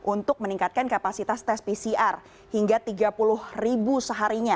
untuk meningkatkan kapasitas tes pcr hingga tiga puluh ribu seharinya